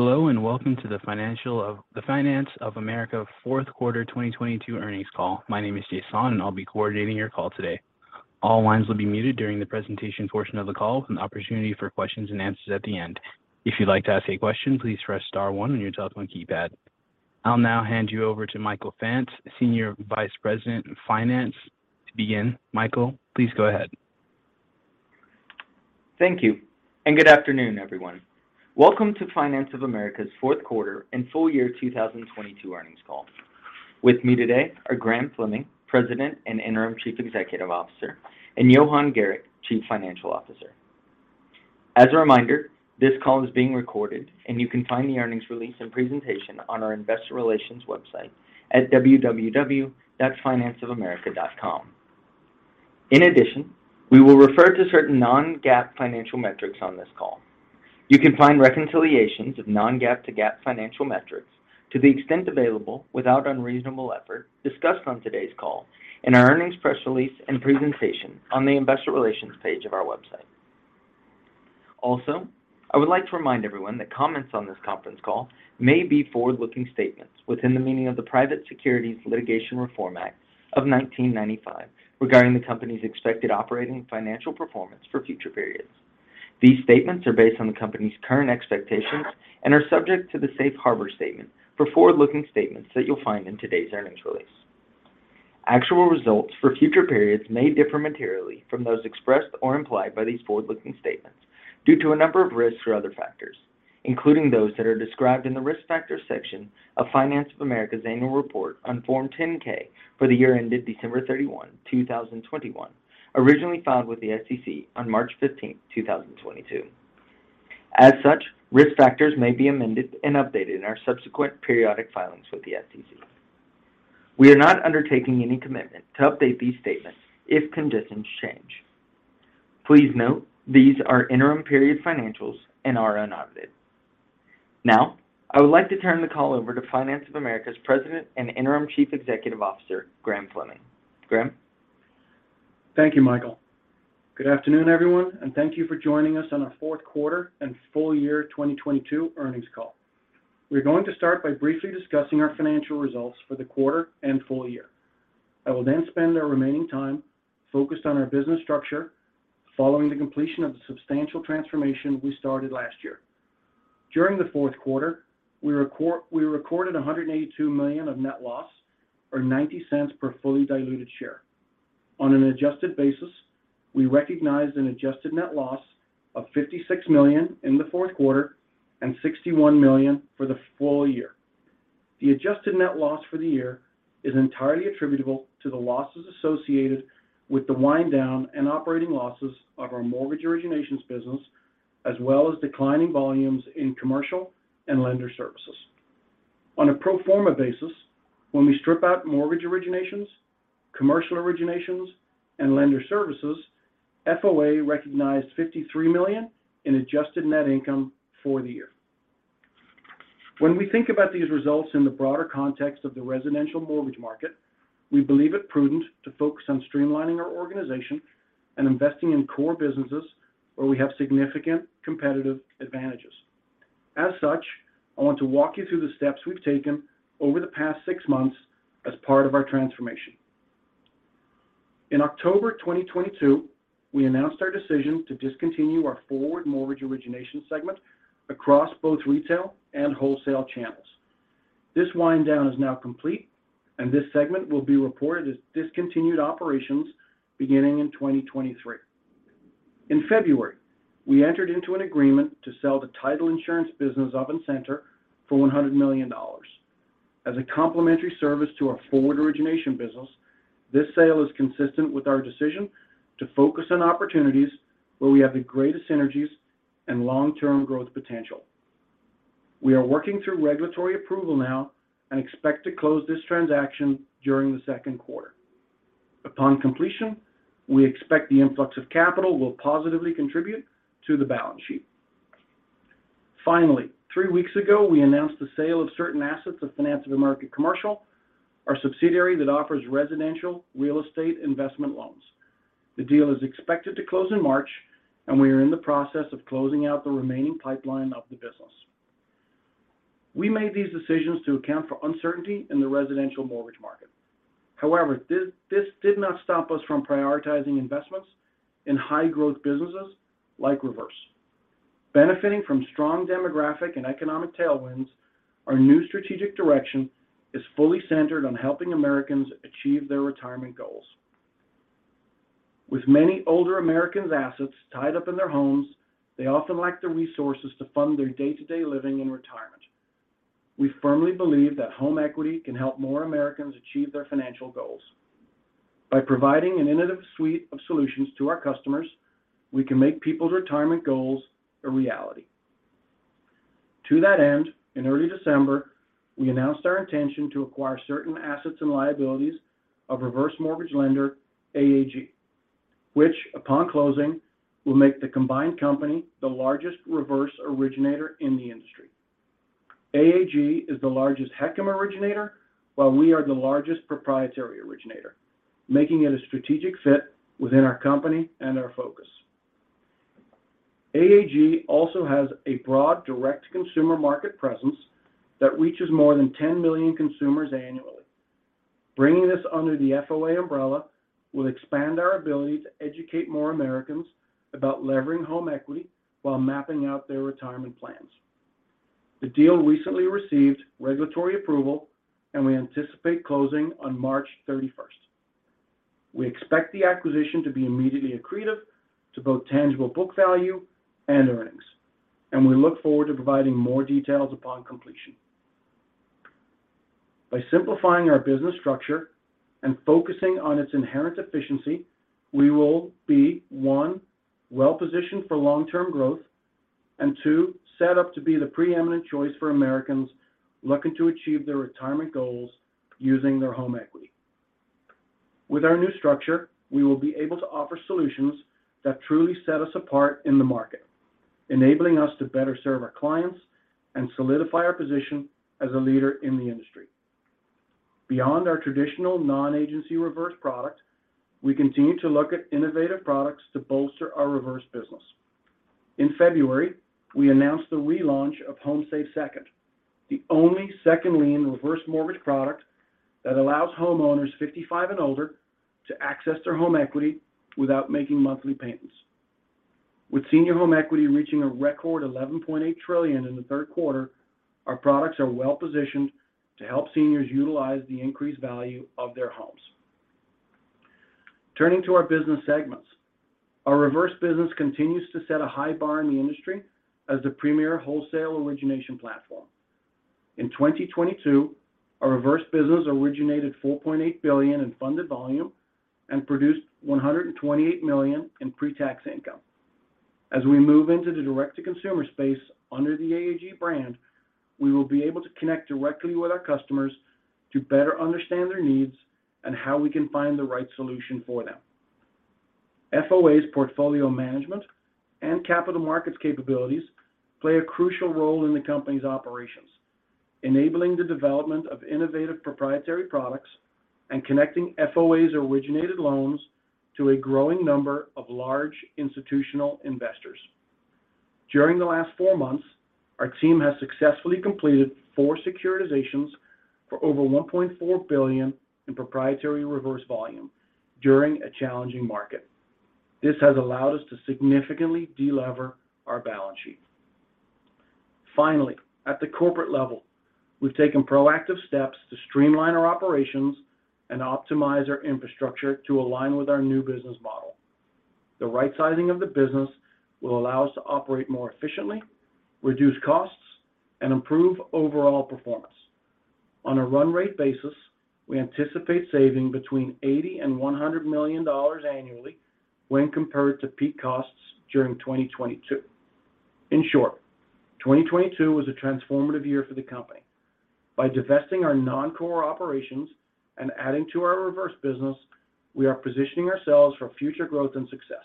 Hello, welcome to the Finance of America fourth quarter 2022 earnings call. My name is Jason. I'll be coordinating your call today. All lines will be muted during the presentations portion of the call with an opportunity for questions and answers at the end. If you'd like to ask a question, please press star one on your telephone keypad. I'll now hand you over to Michael Fant, Senior Vice President of Finance to begin. Michael, please go ahead. Thank you, and good afternoon, everyone. Welcome to Finance of America's fourth quarter and full year 2022 earnings call. With me today are Graham Fleming, President and Interim Chief Executive Officer, and Johan Gericke, Chief Financial Officer. As a reminder, this call is being recorded, and you can find the earnings release and presentation on our investor relations website at www.financeofamerica.com. In addition, we will refer to certain non-GAAP financial metrics on this call. You can find reconciliations of non-GAAP to GAAP financial metrics to the extent available without unreasonable effort discussed on today's call in our earnings press release and presentation on the investor relations page of our website. I would like to remind everyone that comments on this conference call may be forward-looking statements within the meaning of the Private Securities Litigation Reform Act of 1995 regarding the company's expected operating and financial performance for future periods. These statements are based on the company's current expectations and are subject to the safe harbor statement for forward-looking statements that you'll find in today's earnings release. Actual results for future periods may differ materially from those expressed or implied by these forward-looking statements due to a number of risks or other factors, including those that are described in the Risk Factors section of Finance of America's Annual Report on Form 10-K for the year ended December 31, 2021, originally filed with the SEC on March 15th, 2022. As such, risk factors may be amended and updated in our subsequent periodic filings with the SEC. We are not undertaking any commitment to update these statements if conditions change. Please note these are interim period financials and are unaudited. I would like to turn the call over to Finance of America's President and Interim Chief Executive Officer, Graham Fleming. Graham? Thank you, Michael. Good afternoon, everyone, and thank you for joining us on our fourth quarter and full year 2022 earnings call. We're going to start by briefly discussing our financial results for the quarter and full year. I will spend our remaining time focused on our business structure following the completion of the substantial transformation we started last year. During the fourth quarter, we recorded $182 million of net loss or $0.90 per fully diluted share. On an adjusted basis, we recognized an adjusted net loss of $56 million in the fourth quarter and $61 million for the full year. The adjusted net loss for the year is entirely attributable to the losses associated with the wind down and operating losses of our mortgage originations business, as well as declining volumes in commercial and lender services. On a pro forma basis, when we strip out mortgage originations, commercial originations, and lender services, FOA recognized $53 million in adjusted net income for the year. When we think about these results in the broader context of the residential mortgage market, we believe it prudent to focus on streamlining our organization and investing in core businesses where we have significant competitive advantages. As such, I want to walk you through the steps we've taken over the past six months as part of our transformation. In October 2022, we announced our decision to discontinue our forward mortgage origination segment across both retail and wholesale channels. This wind down is now complete, and this segment will be reported as discontinued operations beginning in 2023. In February, we entered into an agreement to sell the title insurance business Incenter for $100 million. As a complimentary service to our forward origination business, this sale is consistent with our decision to focus on opportunities where we have the greatest synergies and long-term growth potential. We are working through regulatory approval now and expect to close this transaction during the second quarter. Upon completion, we expect the influx of capital will positively contribute to the balance sheet. Three weeks ago, we announced the sale of certain assets of Finance of America Commercial, our subsidiary that offers residential real estate investment loans. The deal is expected to close in March, and we are in the process of closing out the remaining pipeline of the business. We made these decisions to account for uncertainty in the residential mortgage market. This did not stop us from prioritizing investments in high-growth businesses like Reverse. Benefiting from strong demographic and economic tailwinds, our new strategic direction is fully centered on helping Americans achieve their retirement goals. With many older Americans' assets tied up in their homes, they often lack the resources to fund their day-to-day living in retirement. We firmly believe that home equity can help more Americans achieve their financial goals. By providing an innovative suite of solutions to our customers, we can make people's retirement goals a reality. To that end, in early December, we announced our intention to acquire certain assets and liabilities of Reverse Mortgage Lender AAG, which upon closing, will make the combined company the largest reverse originator in the industry. AAG is the largest HECM originator, while we are the largest proprietary originator, making it a strategic fit within our company and our focus. AAG also has a broad direct consumer market presence that reaches more than 10 million consumers annually. Bringing this under the FOA umbrella will expand our ability to educate more Americans about levering home equity while mapping out their retirement plans. The deal recently received regulatory approval, and we anticipate closing on March 31st. We expect the acquisition to be immediately accretive to both tangible book value and earnings, and we look forward to providing more details upon completion. By simplifying our business structure and focusing on its inherent efficiency, we will be, 1, well-positioned for long-term growth and 2, set up to be the preeminent choice for Americans looking to achieve their retirement goals using their home equity. With our new structure, we will be able to offer solutions that truly set us apart in the market, enabling us to better serve our clients and solidify our position as a leader in the industry. Beyond our traditional non-agency reverse product, we continue to look at innovative products to bolster our reverse business. In February, we announced the relaunch of HomeSafe Second, the only second lien reverse mortgage product that allows homeowners 55 and older to access their home equity without making monthly payments. With senior home equity reaching a record $11.8 trillion in the third quarter, our products are well positioned to help seniors utilize the increased value of their homes. Turning to our business segments. Our reverse business continues to set a high bar in the industry as the premier wholesale origination platform. In 2022, our reverse business originated $4.8 billion in funded volume and produced $128 million in pre-tax income. As we move into the direct-to-consumer space under the AAG brand, we will be able to connect directly with our customers to better understand their needs and how we can find the right solution for them. FOA's portfolio management and capital markets capabilities play a crucial role in the company's operations, enabling the development of innovative proprietary products and connecting FOA's originated loans to a growing number of large institutional investors. During the last four months, our team has successfully completed four securitizations for over $1.4 billion in proprietary reverse volume during a challenging market. This has allowed us to significantly delever our balance sheet. Finally, at the corporate level, we've taken proactive steps to streamline our operations and optimize our infrastructure to align with our new business model. The right sizing of the business will allow us to operate more efficiently, reduce costs, and improve overall performance. On a run rate basis, we anticipate saving between $80 million and $100 million annually when compared to peak costs during 2022. In short, 2022 was a transformative year for the company. By divesting our non-core operations and adding to our reverse business, we are positioning ourselves for future growth and success.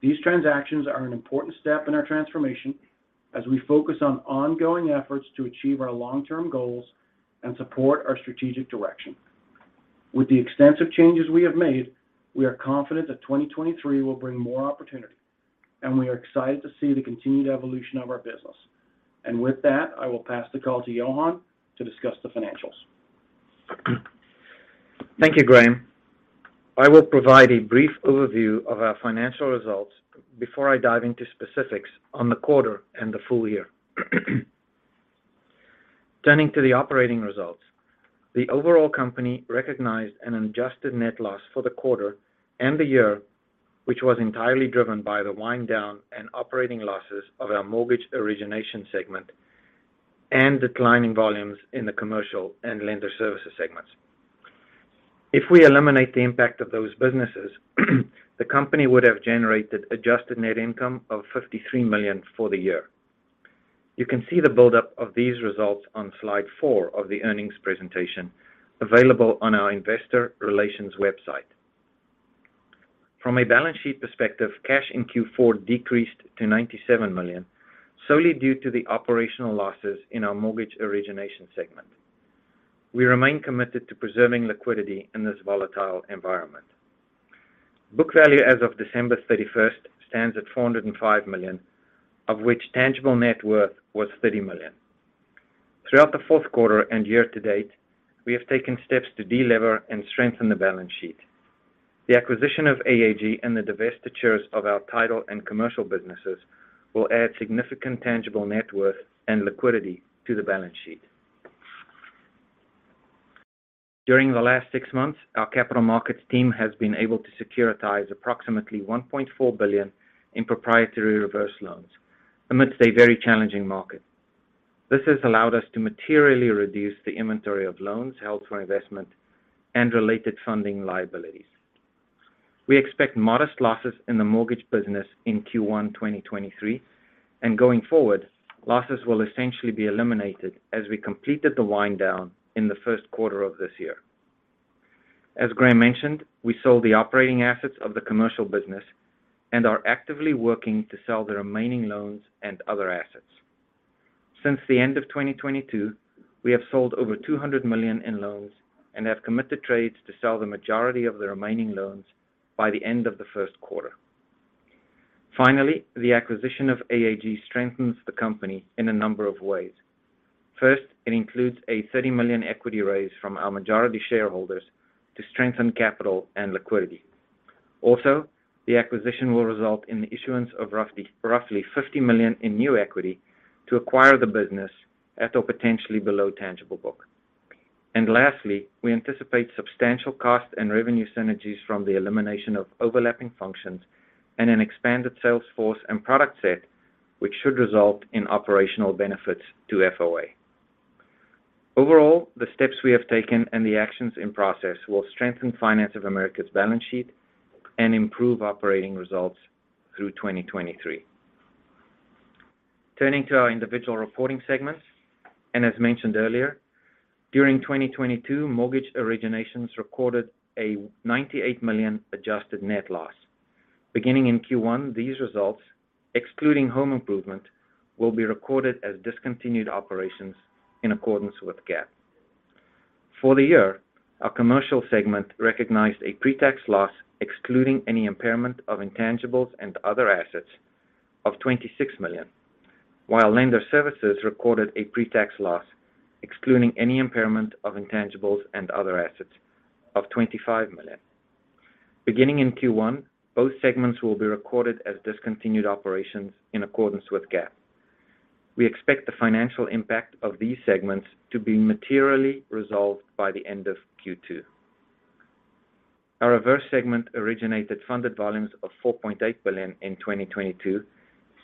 These transactions are an important step in our transformation as we focus on ongoing efforts to achieve our long-term goals and support our strategic direction. With the extensive changes we have made, we are confident that 2023 will bring more opportunity, and we are excited to see the continued evolution of our business. With that, I will pass the call to Johan to discuss the financials. Thank you, Graham. I will provide a brief overview of our financial results before I dive into specifics on the quarter and the full year. Turning to the operating results. The overall company recognized an adjusted net loss for the quarter and the year, which was entirely driven by the wind down and operating losses of our mortgage origination segment and declining volumes in the Commercial and lender services segments. If we eliminate the impact of those businesses, the company would have generated adjusted net income of $53 million for the year. You can see the buildup of these results on slide 4 of the earnings presentation available on our investor relations website. From a balance sheet perspective, cash in Q4 decreased to $97 million, solely due to the operational losses in our mortgage origination segment. We remain committed to preserving liquidity in this volatile environment. Book value as of December 31st stands at $405 million, of which tangible net worth was $30 million. Throughout the fourth quarter and year to date, we have taken steps to delever and strengthen the balance sheet. The acquisition of AAG and the divestitures of our title and commercial businesses will add significant tangible net worth and liquidity to the balance sheet. During the last six months, our capital markets team has been able to securitize approximately $1.4 billion in proprietary reverse loans amidst a very challenging market. This has allowed us to materially reduce the inventory of loans held for investment and related funding liabilities. We expect modest losses in the mortgage business in Q1 2023, and going forward, losses will essentially be eliminated as we completed the wind down in the first quarter of this year. As Graham mentioned, we sold the operating assets of the commercial business and are actively working to sell the remaining loans and other assets. Since the end of 2022, we have sold over $200 million in loans and have committed trades to sell the majority of the remaining loans by the end of the first quarter. The acquisition of AAG strengthens the company in a number of ways. It includes a $30 million equity raise from our majority shareholders to strengthen capital and liquidity. The acquisition will result in the issuance of roughly $50 million in new equity to acquire the business at or potentially below tangible book. Lastly, we anticipate substantial cost and revenue synergies from the elimination of overlapping functions and an expanded sales force and product set, which should result in operational benefits to FOA. Overall, the steps we have taken and the actions in process will strengthen Finance of America's balance sheet and improve operating results through 2023. Turning to our individual reporting segments, as mentioned earlier, during 2022, mortgage originations recorded a $98 million adjusted net loss. Beginning in Q1, these results, excluding home improvement, will be recorded as discontinued operations in accordance with GAAP. For the year, our commercial segment recognized a pre-tax loss, excluding any impairment of intangibles and other assets, of $26 million. Lender Services recorded a pre-tax loss, excluding any impairment of intangibles and other assets, of $25 million. Beginning in Q1, both segments will be recorded as discontinued operations in accordance with GAAP. We expect the financial impact of these segments to be materially resolved by the end of Q2. Our reverse segment originated funded volumes of $4.8 billion in 2022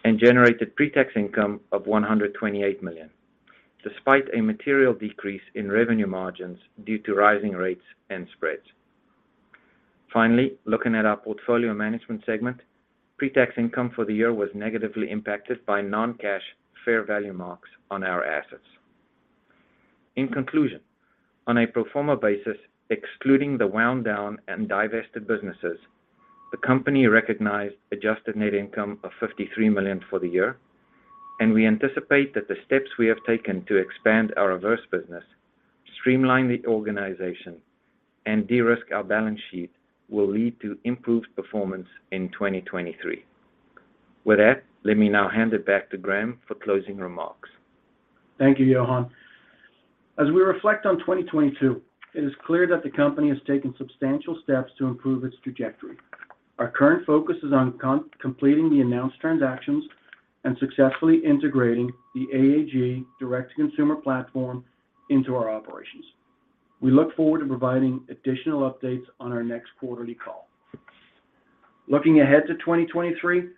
and generated pre-tax income of $128 million, despite a material decrease in revenue margins due to rising rates and spreads. Finally, looking at our portfolio management segment, pre-tax income for the year was negatively impacted by non-cash fair value marks on our assets. In conclusion, on a pro forma basis, excluding the wound down and divested businesses, the company recognized adjusted net income of $53 million for the year. We anticipate that the steps we have taken to expand our reverse business, streamline the organization, and de-risk our balance sheet will lead to improved performance in 2023. With that, let me now hand it back to Graham for closing remarks. Thank you, Johan. As we reflect on 2022, it is clear that the company has taken substantial steps to improve its trajectory. Our current focus is on completing the announced transactions and successfully integrating the AAG direct-to-consumer platform into our operations. We look forward to providing additional updates on our next quarterly call. Looking ahead to 2023,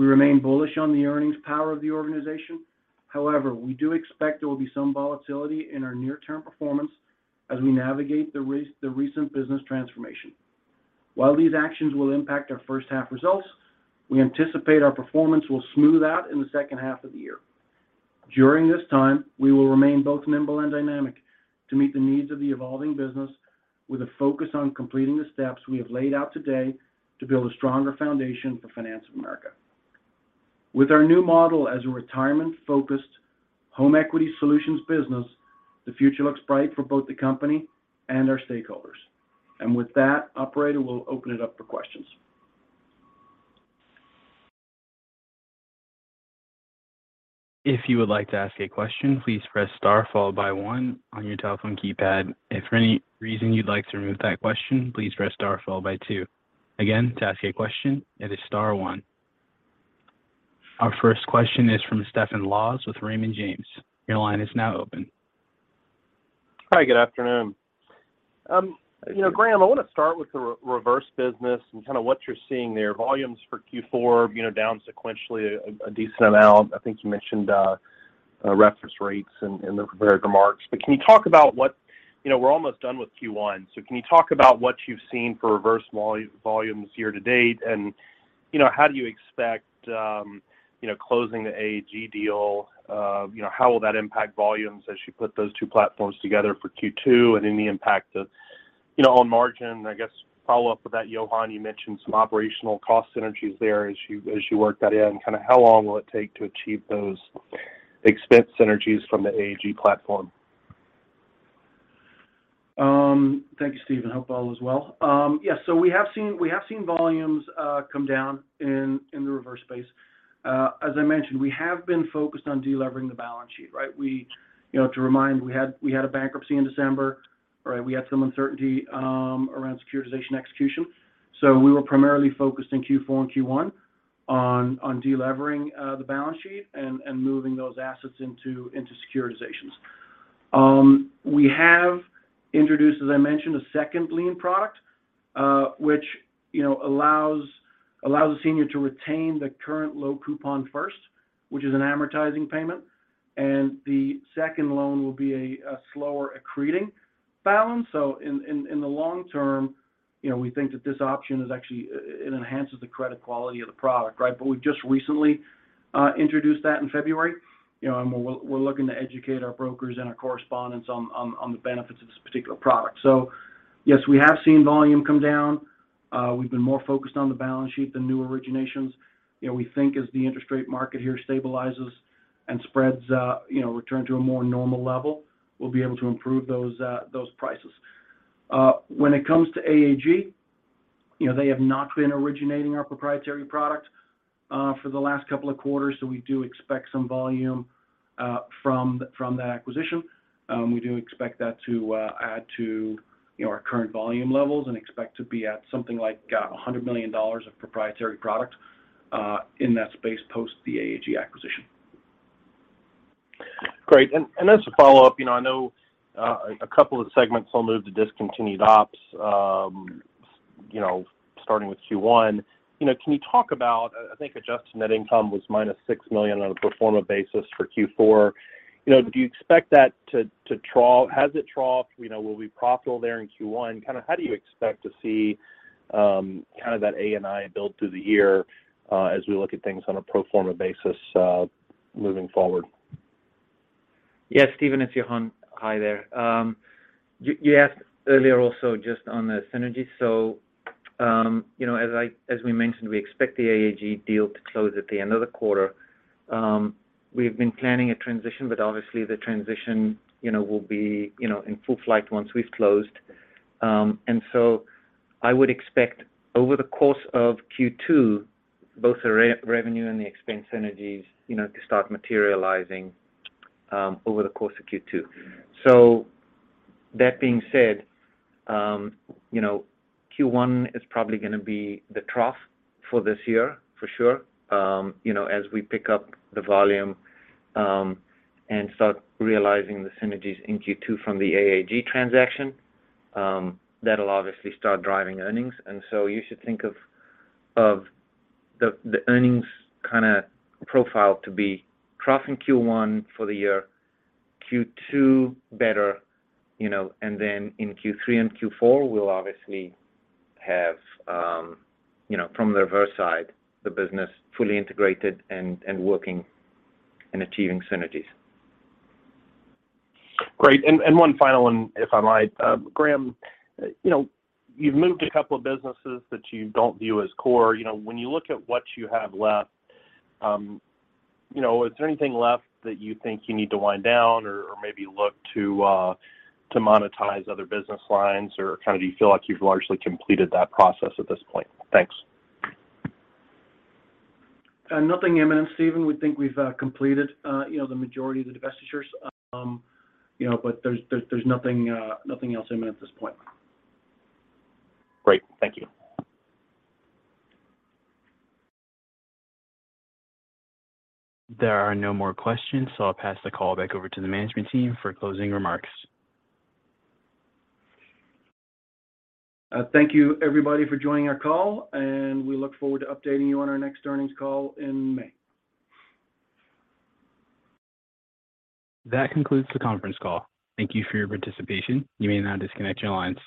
we remain bullish on the earnings power of the organization. However, we do expect there will be some volatility in our near-term performance as we navigate the recent business transformation. While these actions will impact our first half results, we anticipate our performance will smooth out in the second half of the year. During this time, we will remain both nimble and dynamic to meet the needs of the evolving business with a focus on completing the steps we have laid out today to build a stronger foundation for Finance of America. With our new model as a retirement-focused home equity solutions business, the future looks bright for both the company and our stakeholders. With that, operator, we'll open it up for questions. If you would like to ask a question, please press * followed by 1 on your telephone keypad. If for any reason you'd like to remove that question, please press * followed by 2. Again, to ask a question, it is star one. Our first question is from Stephen Laws with Raymond James. Your line is now open. Hi, good afternoon. You know, Graham, I want to start with the reverse business and kind of what you're seeing there. Volumes for Q4, you know, down sequentially a decent amount. I think you mentioned reference rates in the prepared remarks. Can you talk about what? You know, we're almost done with Q1, can you talk about what you've seen for reverse volumes year to date? You know, how do you expect, you know, closing the AAG deal, you know, how will that impact volumes as you put those two platforms together for Q2? The impact of, you know, on margin. I guess follow up with that, Johan, you mentioned some operational cost synergies there as you work that in. Kind of how long will it take to achieve those expense synergies from the AAG platform? Thank you, Steve, and hope all is well. Yes. We have seen volumes come down in the reverse space. As I mentioned, we have been focused on delevering the balance sheet, right? We, you know, to remind, we had a bankruptcy in December, right? We had some uncertainty around securitization execution. We were primarily focused in Q4 and Q1 on delevering the balance sheet and moving those assets into securitizations. We have introduced, as I mentioned, a second lien product, which, you know, allows the senior to retain the current low coupon first, which is an amortizing payment, and the second loan will be a slower accreting balance. In the long term, you know, we think that this option is actually it enhances the credit quality of the product, right? We've just recently introduced that in February. You know, we're looking to educate our brokers and our correspondents on the benefits of this particular product. Yes, we have seen volume come down. We've been more focused on the balance sheet than new originations. You know, we think as the interest rate market here stabilizes and spreads, you know, return to a more normal level, we'll be able to improve those prices. When it comes to AAG, you know, they have not been originating our proprietary product for the last couple of quarters, we do expect some volume from that acquisition. We do expect that to add to, you know, our current volume levels and expect to be at something like $100 million of proprietary product in that space post the AAG acquisition. Great. As a follow-up, you know, I know a couple of segments will move to discontinued ops, you know, starting with Q1. You know, can you talk about, I think, adjusted net income was -$6 million on a pro forma basis for Q4. You know, do you expect that to trough? Has it troughed? You know, will it be profitable there in Q1? Kinda how do you expect to see, kinda that ANI build through the year, as we look at things on a pro forma basis, moving forward? Stephen, it's Johan. Hi there. You, you asked earlier also just on the synergy. You know, as we mentioned, we expect the AAG deal to close at the end of the quarter. We've been planning a transition, but obviously the transition, you know, will be, you know, in full flight once we've closed. I would expect over the course of Q2, both the revenue and the expense synergies, you know, to start materializing, over the course of Q2. That being said, you know, Q1 is probably gonna be the trough for this year for sure. You know, as we pick up the volume, and start realizing the synergies in Q2 from the AAG transaction, that'll obviously start driving earnings. You should think of the earnings kind of profile to be trough in Q1 for the year, Q2 better, you know. In Q3 and Q4, we'll obviously have, you know, from the reverse side, the business fully integrated and working and achieving synergies. Great. One final one, if I might. Graham, you know, you've moved a couple of businesses that you don't view as core. You know, when you look at what you have left, you know, is there anything left that you think you need to wind down or maybe look to monetize other business lines? Kinda do you feel like you've largely completed that process at this point? Thanks. Nothing imminent, Stephen. We think we've completed, you know, the majority of the divestitures. You know, there's nothing else imminent at this point. Great. Thank you. There are no more questions, so I'll pass the call back over to the management team for closing remarks. Thank you everybody for joining our call, and we look forward to updating you on our next earnings call in May. That concludes the conference call. Thank you for your participation. You may now disconnect your lines.